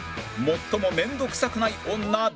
最も面倒くさくない女